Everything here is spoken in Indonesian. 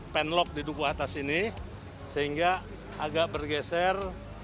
pen lock di dukuhatas ini sehingga agak bergeser